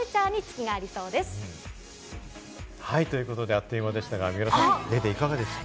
あっという間でしたが、水卜さん、『ＤａｙＤａｙ．』いかがでした？